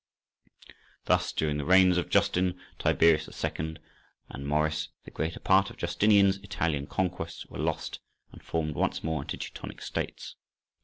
Thus, during the reigns of Justin, Tiberius II., and Maurice, the greater part of Justinian's Italian conquests were lost, and formed once more into Teutonic states.